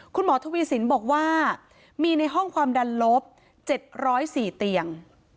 คุณหมอทวีสินบอกว่ามีในห้องความดันลบ๗๐๔เตียง